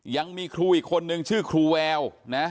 ยังมีครูอีกคนนึงชื่อครูแววนะ